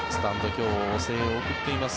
今日も声援を送っています。